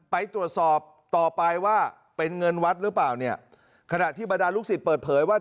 ไปตรวจสอบต่อไปว่าเป็นเงินวัดหรือเปล่าเนี่ยขณะที่บรรดาลูกศิษย์เปิดเผยว่า